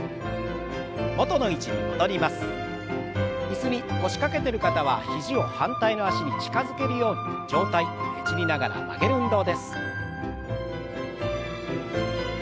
椅子に腰掛けてる方は肘を反対の脚に近づけるように上体ねじりながら曲げる運動です。